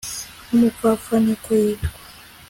nk'umupfapfa niko yitwara